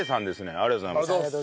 ありがとうございます。